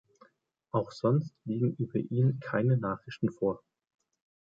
Auch sonst liegen über ihn keine Nachrichten vor.